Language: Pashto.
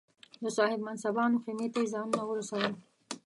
د صاحب منصبانو خېمې ته یې ځانونه ورسول.